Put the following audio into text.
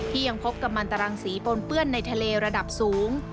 ยังพบกับมันตรังสีปนเปื้อนในทะเลระดับสูง